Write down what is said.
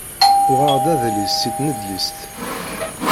Uɣeɣ-d adlis si tnedlist.